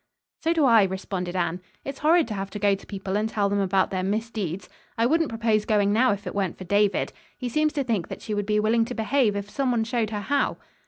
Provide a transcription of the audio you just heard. "So do I," responded Anne. "It's horrid to have to go to people and tell them about their misdeeds. I wouldn't propose going now if it weren't for David. He seems to think that she would be willing to behave if some one showed her how."